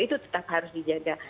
itu tetap harus dijaga